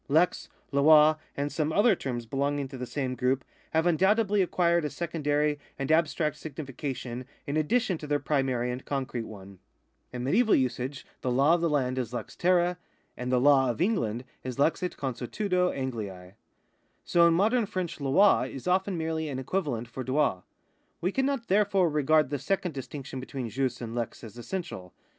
Lex, loi, and some other terms belonging to the same group have undoubtedly acquired a secondary and abstract signification in addition to their primary and concrete one. In medieval usage the I Supra, § 5. APPENDIX I 459 law of the land is lex ferrae, and the law of England is lex et consuetudo Angliae. So in modern French Ini is often merely an equivalent for droil. We cannot therefore regard the second distinction between jus and lex as essential.